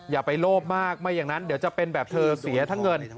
อย่าไปโลภมากไม่อย่างนั้นเดี๋ยวจะเป็นแบบเธอเสียทั้งเงิน